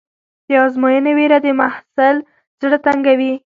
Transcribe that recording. د ازموینې وېره د محصل زړه تنګوي.